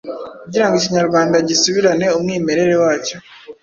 kugira ngo Ikinyarwanda gisubirane umwimerere wacyo.